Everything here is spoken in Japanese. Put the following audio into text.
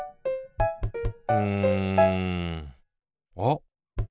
うんあっ！